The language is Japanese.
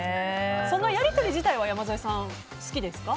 そのやり取り自体は山添さん、好きですか？